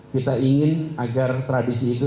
kita ingin agar tradisi itu